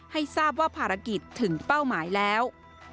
ให้ทราบว่าภารกิจถึงเป้าหมายแล้ว